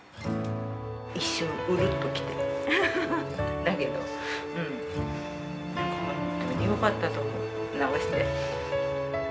一瞬、うるっときて、だけど、本当によかったと思う、直して。